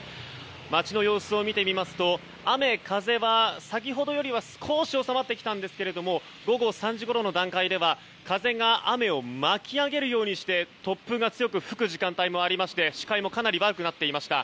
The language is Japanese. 街の様子を見てみますと雨風は先ほどよりは少し収まってきたんですけれども午後３時ごろの段階では風が雨を巻き上げるようにして突風が強く吹く時間帯もありまして視界もかなり悪くなっていました。